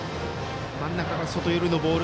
真ん中か外寄りのボール